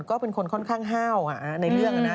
ก็เป็นคนค่อนข้างห้าวในเรื่องนะ